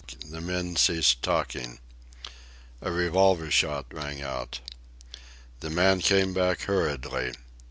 The men ceased talking. A revolver shot rang out. The man came back hurriedly.